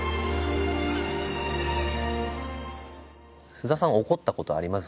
菅田さん怒ったことあります？